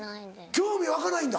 興味湧かないんだ。